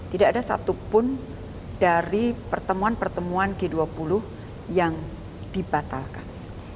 tidak ada satupun dari pertemuan pertemuan g dua puluh yang dibatalkan